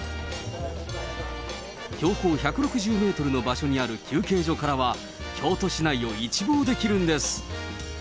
標高１６０メートルの場所にある休憩所からは、京都市内を一望できるんです。